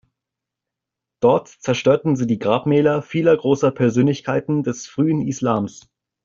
Dort zerstörten sie die Grabmäler vieler großer Persönlichkeiten des frühen Islams.